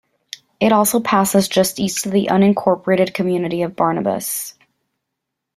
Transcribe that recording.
It also passes just east of the unincorporated community of Barnabus.